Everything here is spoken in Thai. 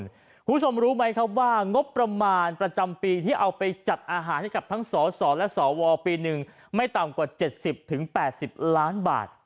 คุณผู้ชมรู้ไหมครับว่างบประมาณประจำปีที่เอาไปจัดอาหารให้กับทั้งสสและสวปีหนึ่งไม่ต่ำกว่า๗๐๘๐ล้านบาท